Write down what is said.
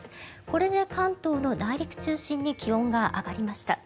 これで関東の内陸中心に気温が上がりました。